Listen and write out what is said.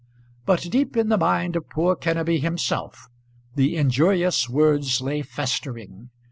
But deep in the mind of poor Kenneby himself the injurious words lay festering.